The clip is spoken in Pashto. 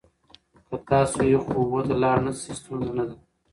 که تاسو یخو اوبو ته لاړ نشئ، ستونزه نه ده.